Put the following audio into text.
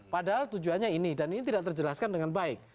padahal tujuannya ini dan ini tidak terjelaskan dengan baik